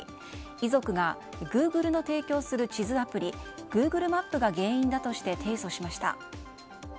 遺族がグーグルの提供する地図アプリグーグルマップが原因だとして提訴しました。